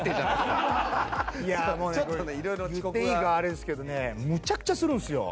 いやもうねこれ言っていいかあれですけどねむちゃくちゃするんですよ。